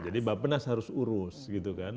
jadi bapenas harus urus gitu kan